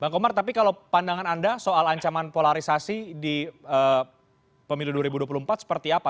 bang komar tapi kalau pandangan anda soal ancaman polarisasi di pemilu dua ribu dua puluh empat seperti apa